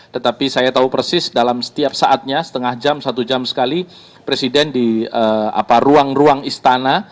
tetapi saya tahu persis dalam setiap saatnya setengah jam satu jam sekali presiden di ruang ruang istana